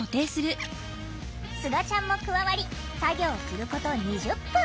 すがちゃんも加わり作業すること２０分。